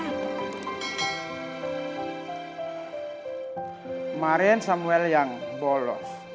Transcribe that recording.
kemarin samuel yang bolos